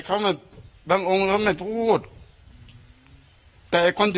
แค่อยากจะบอกว่าสมเหตุสมผลก็ช่วยแบบทำบุญเยอะหน่อย